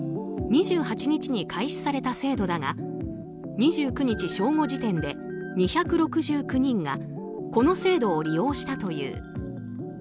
２８日に開始された制度だが２９日正午時点で２６９人がこの制度を利用したという。